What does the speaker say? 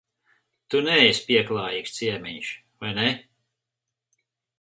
Tu neesi pieklājīgs ciemiņš, vai ne?